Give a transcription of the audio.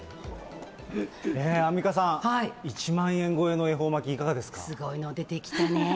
アンミカさん、１万円超えの恵方巻き、すごいの出てきたね。